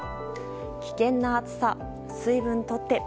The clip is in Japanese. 危険な暑さ、水分とって。